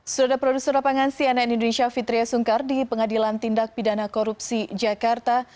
sudah ada produser lapangan cnn indonesia fitriah sungkar di pengadilan tindak pidana korupsi jakarta